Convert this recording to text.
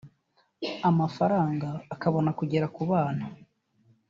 amafaranga akabona kugera ku bana